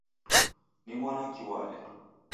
Ni mwana kiwale!